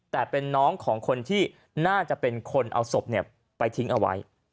แต่เป็นน้องของคนที่น่าจะเป็นคนเอาศพไปทิ้งเอาไว้